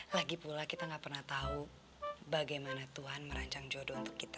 lagi pula kita gak pernah tahu bagaimana tuhan merancang jodoh untuk kita